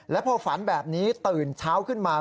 และพอฝันแบบนี้ตื่นเช้าขึ้นมา